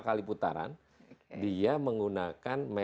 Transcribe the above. kali putaran dia menggunakan